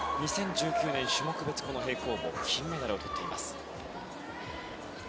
２０１９年、種目別平行棒で金メダルをとっています。